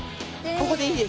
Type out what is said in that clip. ここでいいですか？